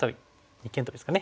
二間トビですかね。